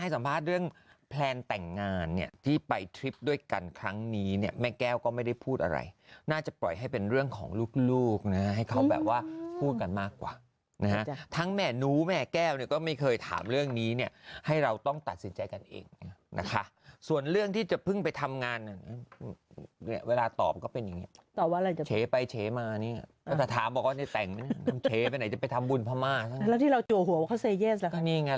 สัมภาษณ์เรื่องแพลนแต่งงานเนี่ยที่ไปทริปด้วยกันครั้งนี้เนี่ยแม่แก้วก็ไม่ได้พูดอะไรน่าจะปล่อยให้เป็นเรื่องของลูกนะให้เขาแบบว่าพูดกันมากกว่านะฮะทั้งแม่นูแม่แก้วเนี่ยก็ไม่เคยถามเรื่องนี้เนี่ยให้เราต้องตัดสินใจกันเองนะคะส่วนเรื่องที่จะเพิ่งไปทำงานเวลาตอบก็เป็นอย่างนี้ตอบว่าอะไรจะเฉไปเฉมาเนี่ยแล้วแต่ถามบอกว่าในแต่งพม่าใช่ไหม